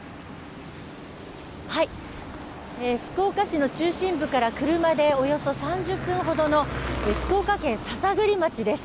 福岡市の中心部から車でおよそ３０分ほどの福岡県篠栗町です。